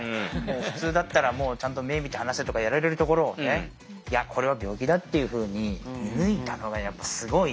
普通だったら「ちゃんと目見て話せ」とかやられるところをねいやこれは病気だっていうふうに見抜いたのがやっぱすごい。